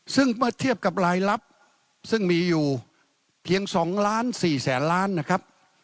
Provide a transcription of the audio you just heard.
ซึ่งเมื่อเทียบกับรายลับซึ่งมีอยู่เพียง๒ล้าน๔แสนล้านนะครับ